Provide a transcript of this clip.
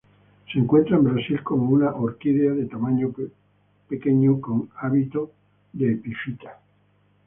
Se encuentra en Brasil como una orquídea de tamaño pequeño, con hábito de epífita.